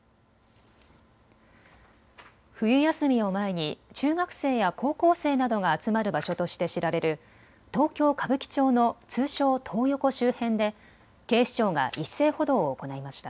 冬休みを前に中学生や高校生などが集まる場所として知られる東京歌舞伎町の通称、トー横周辺で警視庁が一斉補導を行いました。